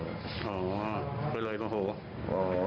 อ๋อไปเลยโมโห